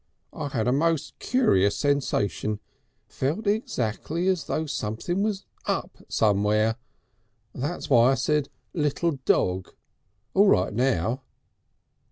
"I had a most curious sensation. Felt exactly as though something was up somewhere. That's why I said Little Dog. All right now."